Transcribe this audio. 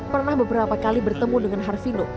pernah beberapa kali bertemu dengan harvino